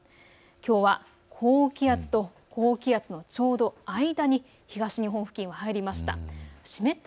きょうは高気圧と高気圧のちょうど間に東日本付近は入りました。